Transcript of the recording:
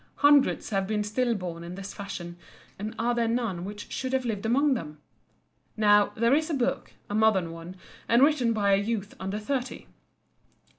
Hundreds have been still born in this fashion, and are there none which should have lived among them? Now, there is a book, a modern one, and written by a youth under thirty.